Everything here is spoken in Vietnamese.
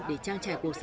để trang trải cuộc sống